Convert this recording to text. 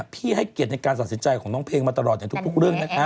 ให้เกียรติในการตัดสินใจของน้องเพลงมาตลอดในทุกเรื่องนะคะ